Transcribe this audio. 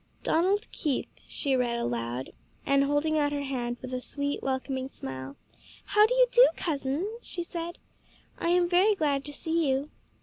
"Donald Keith," she read aloud, and holding out her hand with a sweet, welcoming smile, "How do you do, cousin?" she said; "I am very glad to see you.